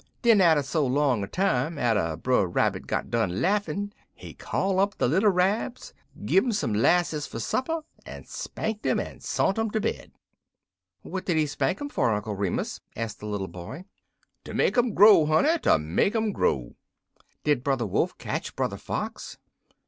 "Den atter so long a time, atter Brer Rabbit got done laughin', he call up de little Rabs, gi' um some 'lasses fer supper, en spanked um en sont um ter bed.'" "Well, what did he spank 'em for, Uncle Remus?" asked the little boy. "Ter make um grow, honey, des ter make um grow!" "Did Brother Wolf catch Brother Fox?"